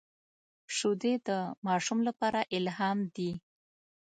شیدې د ماشوم لپاره الهام دي